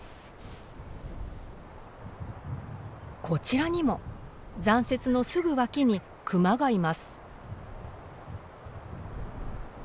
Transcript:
こちらにも残雪のすぐ脇にクマがいます。